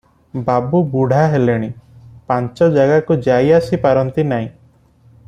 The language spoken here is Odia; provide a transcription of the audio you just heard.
ବାବୁ ବୁଢ଼ା ହେଲେଣି, ପାଞ୍ଚ ଜାଗାକୁ ଯାଇ ଆସି ପାରନ୍ତି ନାଇଁ ।